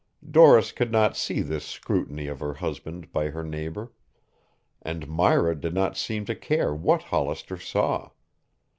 Doris could not see this scrutiny of her husband by her neighbor. And Myra did not seem to care what Hollister saw.